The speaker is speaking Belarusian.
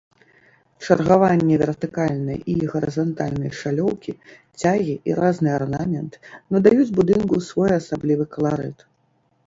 Чаргаванне вертыкальнай і гарызантальнай шалёўкі, цягі і разны арнамент надаюць будынку своеасаблівы каларыт.